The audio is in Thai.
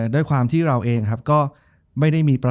จบการโรงแรมจบการโรงแรม